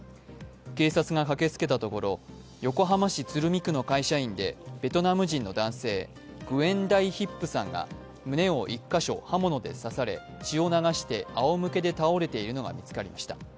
警察が駆けつけたところ横浜市鶴見区の会社員でベトナム人の男性、グエン・ダイ・ヒップさんが胸を１か所、刃物で刺され血を流して、あおむけで倒れているのが見つかりました。